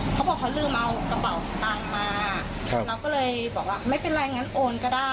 เค้าบอกว่าเค้าลืมเอากระเป๋าสัตว์มาแล้วก็เลยบอกว่าไม่เป็นไรงั้นโอนก็ได้